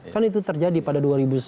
kan itu terjadi pada dua ribu sembilan belas